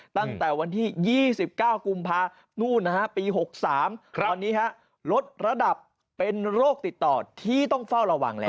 ตั้งแต่วันที่๒๙กุมภานู่นปี๖๓ตอนนี้ลดระดับเป็นโรคติดต่อที่ต้องเฝ้าระวังแล้ว